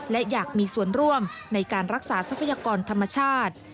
และอยากมีส่วนร่วมในการรักษาทรัพยากรธรรมชาติ